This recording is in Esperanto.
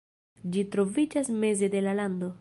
Ĝi troviĝas meze de la lando.